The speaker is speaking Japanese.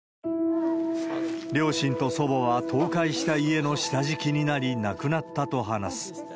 両親と祖母は倒壊した家の下敷きになり、亡くなったと話す。